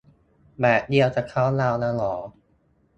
แบบเดียวกับเคาน์ดาวน์อะเหรอ